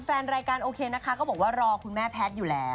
แฟนรายการโอเคนะคะก็บอกว่ารอคุณแม่แพทย์อยู่แล้ว